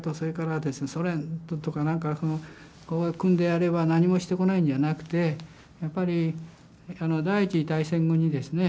ソ連とか何かがこう組んでやれば何もしてこないんじゃなくてやっぱり第一次大戦後にですね